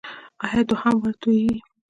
ایا دوهم وار توییږي؟